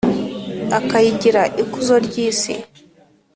akayigira ’ikuzo ry’isi’.»